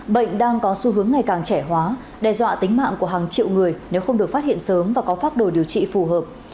bệnh đang có xu hướng ngày càng trẻ hóa đe dọa tính mạng của hàng triệu người nếu không được phát hiện sớm và có phác đồ điều trị phù hợp